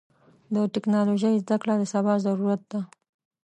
د ټکنالوژۍ زدهکړه د سبا ضرورت ده.